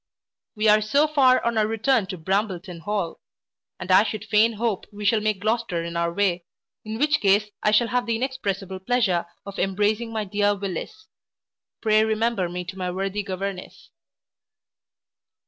We are so far on our return to Brambleton hall; and I would fain hope we shall take Gloucester in our way, in which case I shall have the inexpressible pleasure of embracing my dear Willis Pray remember me to my worthy governess.